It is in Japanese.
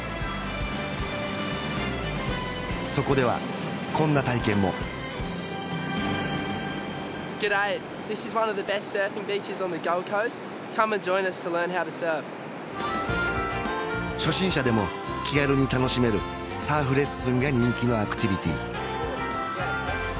そこではこんな体験も初心者でも気軽に楽しめるサーフレッスンが人気のアクティビティー